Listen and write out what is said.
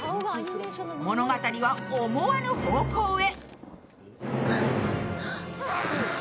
物語は思わぬ方向へ。